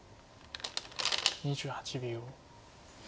２８秒。